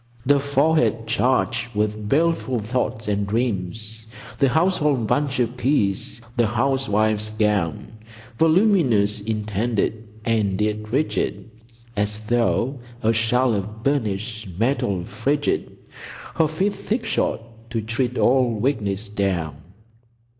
"The forehead charged with baleful thoughts and dreams, The household bunch of keys, the housewife's gown, Voluminous indented, and yet rigid As though a shell of burnished metal frigid, Her feet thick shod to tread all weakness down."